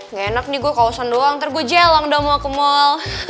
nggak enak nih gue kawasan doang ntar gue jelang udah mau ke mall